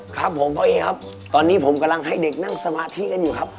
ครับผมพ่อเอครับตอนนี้ผมกำลังให้เด็กนั่งสมาธิกันอยู่ครับ